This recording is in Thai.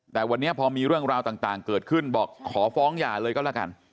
แต่วันนี้พอมีเรื่องราวต่างเกิดขึ้นบอกขอฟ้องหย่าเลยก็แล้วกัน